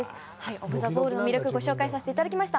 オフ・ザ・ボールの魅力をご紹介いたしました。